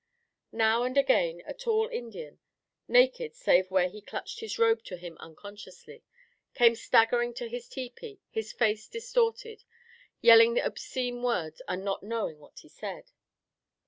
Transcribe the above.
Now and again a tall Indian, naked save where he clutched his robe to him unconsciously, came staggering to his tepee, his face distorted, yelling obscene words and not knowing what he said.